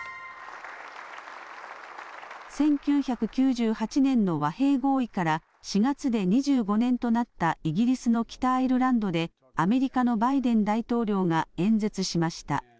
１９９８年の和平合意から４月で２５年となったイギリスの北アイルランドでアメリカのバイデン大統領が演説しました。